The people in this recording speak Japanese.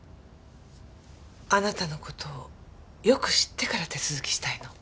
あなたの事をよく知ってから手続きしたいの。